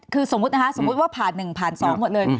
คือสมมติว่าผ่านหนึ่งผ่านสองหมดเลย